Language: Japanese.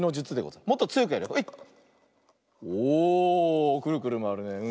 おくるくるまわるねうん。